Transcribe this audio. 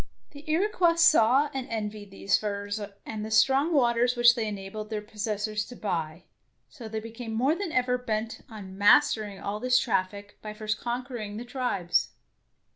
The Iroquois saw and envied these furs and the strong waters which they enabled their pos sessors to buy, so they became more than ever bent on mastering all this 99 DEEDS OF DARING traffic by first conquering the tribes.